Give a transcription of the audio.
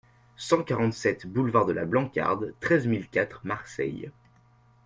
cent quarante-sept boulevard de la Blancarde, treize mille quatre Marseille